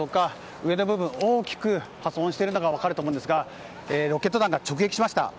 上の部分大きく破損しているのが分かると思うんですがロケット弾が直撃しました。